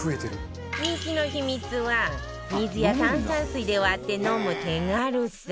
人気の秘密は水や炭酸水で割って飲む手軽さ